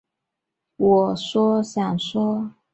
这是我想要说的吗